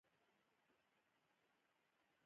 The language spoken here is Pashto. آیا دا شراب له کنګل انګورو نه جوړیږي؟